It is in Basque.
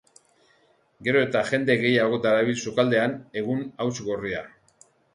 Gero eta jende gehiagok darabil sukaldean egun hauts gorria.